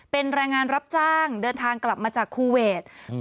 เป็นแรงงานรับจ้างเดินทางกลับมาจากคูเวท